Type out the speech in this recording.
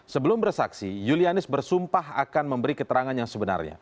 sebelum bersaksi julianis bersumpah akan memberi keterangan yang sebenarnya